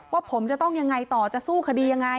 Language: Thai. ว่าผมจะต้องยังไงต่อจะสู้คดียังไง